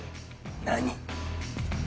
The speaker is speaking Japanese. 何！